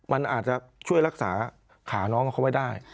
มันอาจจะช่วยรักษาขาน้องเขาไม่ได้